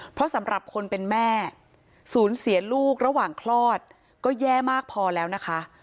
เพราะสำหรับคนเป็นแม่สูญเสียลูกระหว่างคลอดก็แย่มากพอแล้วนะคะ